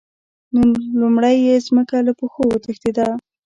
نو لومړی یې ځمکه له پښو وتښتېده.